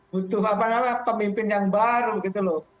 butuh pemimpin yang baru